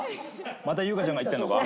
また優香ちゃんが言ってるのか？